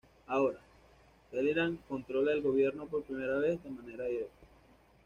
Ahora, Talleyrand controla el gobierno, por primera vez de manera directa.